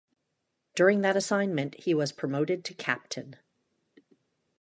During that assignment, he was promoted to captain.